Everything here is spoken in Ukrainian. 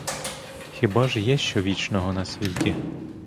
Хіба ж є що вічного на світі?